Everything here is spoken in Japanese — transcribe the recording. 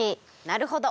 なるほど。